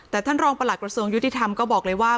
แต่ท่านรองประหลักกระทรวงยุติธรรมก็บอกเลยว่า